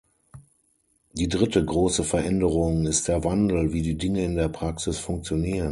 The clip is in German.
Die dritte große Veränderung ist der Wandel, wie die Dinge in der Praxis funktionieren.